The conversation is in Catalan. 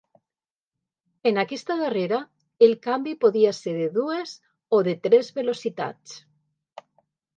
En aquesta darrera, el canvi podia ser de dues o de tres velocitats.